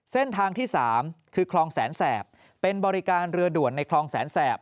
เส้นทางที่๓คือคลองแสนแสบเป็นบริการเรือด่วนในคลองแสนแสบ